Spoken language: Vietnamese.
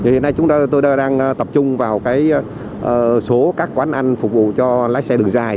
hiện nay chúng tôi đang tập trung vào số các quán ăn phục vụ cho lái xe đường dài